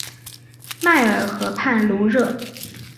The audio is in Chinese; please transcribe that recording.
迈尔河畔卢热。